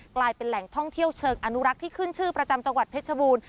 กลายเป็นแหล่งท่องเที่ยวเชิงอนุรักษ์ที่ขึ้นชื่อประจำจังหวัดเพชรบูรณ์